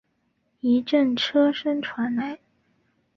一阵车声传来